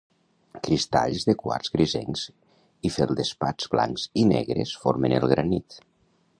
Cristalls de quars grisencs i feldespats blancs i negres formen el granit.